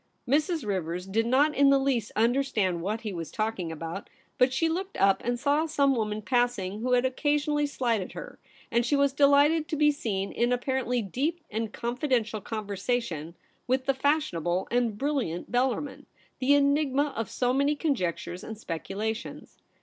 Mrs. Rivers did not in the least understand what he was talking about ; but she looked up and saw some woman passing who had occasionally slighted her, and she was de lighted to be seen in apparently deep and con fidential conversation with the fashionable and brilliant Bellarmin, the enigma of so many conjectures and speculations.